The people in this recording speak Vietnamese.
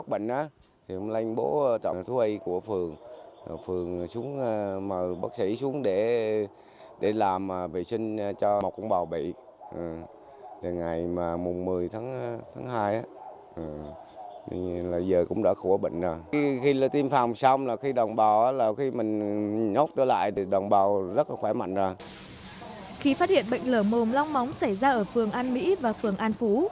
khi phát hiện bệnh lở mồm long móng xảy ra ở phường an mỹ và phường an phú